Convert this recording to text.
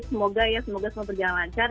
semoga ya semoga semua berjalan lancar